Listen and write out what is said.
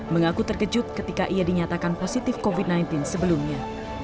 mengaku terkejut ketika ia dinyatakan positif covid sembilan belas sebelumnya